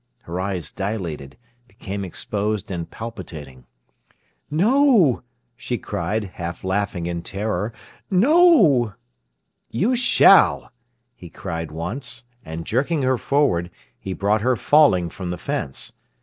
Her eyes dilated, became exposed and palpitating. "No!" she cried, half laughing in terror—"no!" "You shall!" he cried once, and, jerking her forward, he brought her falling from the fence.